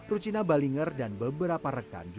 rucina balinger dan beberapa rekan